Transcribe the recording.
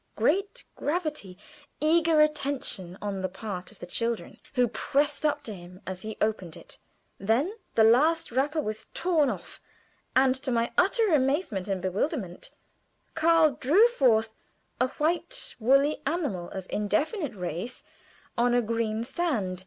Great gravity, eager attention on the part of the children, who pressed up to him as he opened it; then the last wrapper was torn off, and to my utter amazement and bewilderment Karl drew forth a white woolly animal of indefinite race, on a green stand.